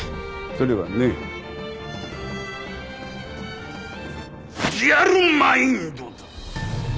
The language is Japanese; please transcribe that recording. それはねギャルマインドだ！